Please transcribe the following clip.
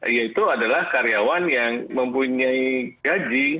yaitu adalah karyawan yang mempunyai gaji